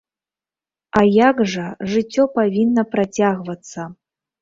А як жа, жыццё павінна працягвацца.